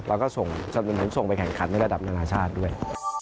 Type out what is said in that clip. เราก็ส่งจนดำเนินส่งไปแข่งขันระดับนานาชาติด้วย